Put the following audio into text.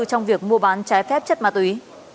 trong việc mua bán trái phép chất ma túy